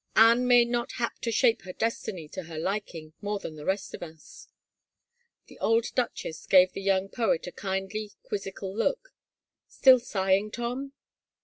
Anne may not hap to shape her destiny to her liking more than the rest of us." The old duchess gave the young poet a kindly quizzical look. " Still sighing, Tom